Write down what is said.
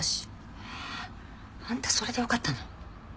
えっあんたそれでよかったの？